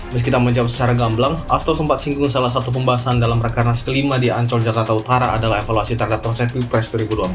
meski tak menjawab secara gamblang asto sempat singgung salah satu pembahasan dalam rekanas kelima di ancol jakarta utara adalah evaluasi terhadap konsep pilpres dua ribu dua puluh empat